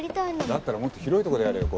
だったらもっと広いとこでやれよ